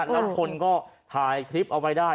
แล้วคนก็ถ่ายคลิปเอาไว้ได้